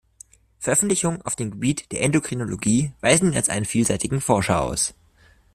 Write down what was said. Veröffentlichungen auf dem Gebiet der Endokrinologie weisen ihn als einen vielseitigen Forscher aus.